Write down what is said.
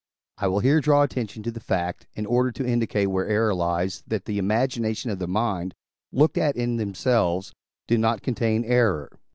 I will here draw attention to the fact, in order to indicate where error lies, that the imaginations of the mind, looked at in themselves, do not contain error.